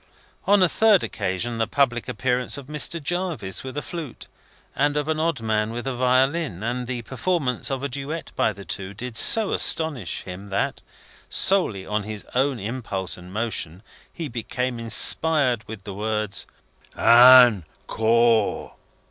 On a third occasion, the public appearance of Mr. Jarvis with a flute, and of an odd man with a violin, and the performance of a duet by the two, did so astonish him that, solely of his own impulse and motion, he became inspired with the words, "Ann Koar!"